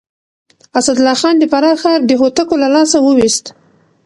اسدالله خان د فراه ښار د هوتکو له لاسه وويست.